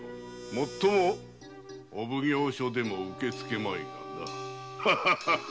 もっともお奉行所でも受け付けまいがな。